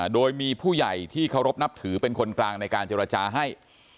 โดยมีผู้ใหญ่ที่เคารพนับถือเป็นคนกลางในการเจรจาให้